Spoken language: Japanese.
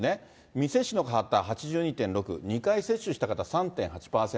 未接種の方８２．６、２回接種した方３．８％。